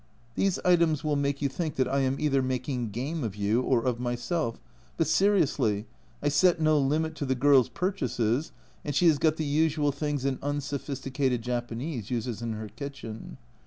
These items will make you think A Journal from Japan 139 that I am either making game of you or of myself, but seriously, I set no limit to the girl's purchases, and she has got the usual things an unsophisticated Japanese uses in her kitchen.